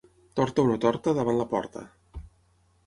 Torta o no torta, davant la porta.